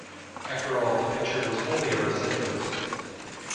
After all, the picture was only a resemblance.